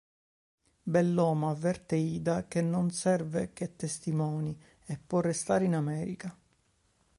Bellomo avverte Ida che non serve che testimoni e può restare in America.